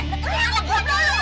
betul betul anak gue